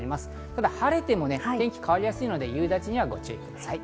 ただ晴れても天気は変わりやすいので夕立にはご注意ください。